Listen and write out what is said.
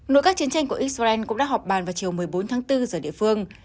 nội các chiến tranh của israel cũng đã họp bàn vào chiều một mươi bốn tháng bốn giờ địa phương